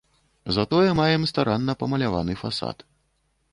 Затое маем старанна памаляваны фасад.